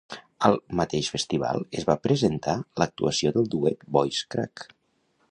Al mateix festival es va presentar l'actuació del duet Voice Crack.